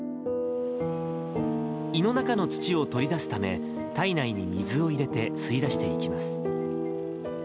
胃の中の土を取り出すため、体内に水を入れて吸い出していきます。